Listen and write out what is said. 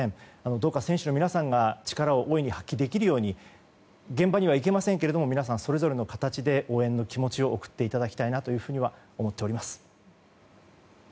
どうか選手の皆さんが力を大いに発揮できるように現場には行けませんけれども皆さん、それぞれの形で応援の気持ちを送っていただきたいと思います。